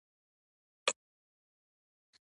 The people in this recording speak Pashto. دا نوم د سترابون په لیکنو کې شته